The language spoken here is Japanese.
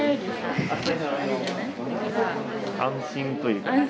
安心というかね。